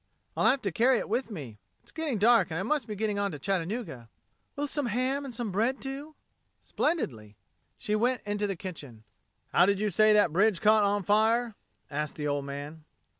"I'll have to carry it with me. It's getting dark and I must be getting on to Chattanooga." "Will some ham an' some bread do?" "Splendidly." She went into the kitchen. "How did you say that bridge caught on fire?" asked the old man.